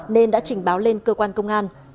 nên đã trình báo lên cơ quan công an